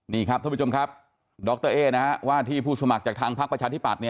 นี่ครับท่านผู้ชมครับดรเอ๊ว่าที่ผู้สมัครจากทางพักประชาธิปัตย